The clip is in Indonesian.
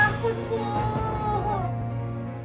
tapi aku enggak apa apa bu